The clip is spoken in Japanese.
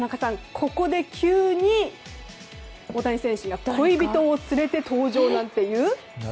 ここで急に大谷選手が恋人を連れて登場なんていう。